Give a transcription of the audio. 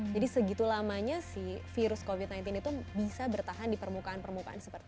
jadi segitu lamanya sih virus covid sembilan belas itu bisa bertahan di permukaan permukaan seperti itu